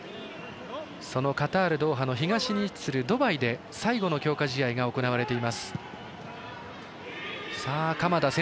そのカタール・ドーハの東に位置するドバイで最後の強化試合が行われています。